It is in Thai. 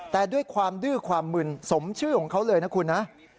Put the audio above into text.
แต่ด้วยความดื้อความมึนสมชื่อของเขาเลยนะคุณนะ